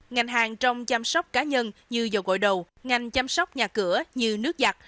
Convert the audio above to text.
ngành hàng trong chăm sóc cá nhân như dầu gội đầu ngành chăm sóc nhà cửa như nước giặt